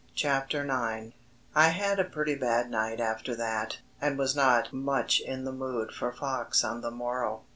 CHAPTER NINE I had a pretty bad night after that, and was not much in the mood for Fox on the morrow.